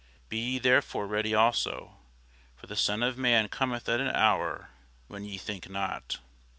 Be ye therefore ready also: for the Son of man cometh at an hour when ye think not.